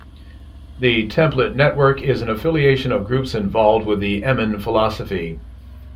"The Template Network", is an affiliation of groups involved with the Emin philosophy.